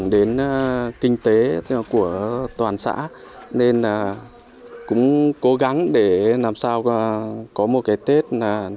để tránh lũ của nhân dân